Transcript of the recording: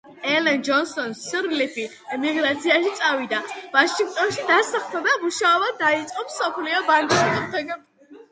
ელენ ჯონსონ-სირლიფი ემიგრაციაში წავიდა, ვაშინგტონში დასახლდა და მუშაობა დაიწყო მსოფლიო ბანკში.